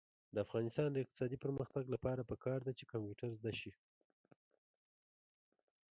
د افغانستان د اقتصادي پرمختګ لپاره پکار ده چې کمپیوټر زده شي.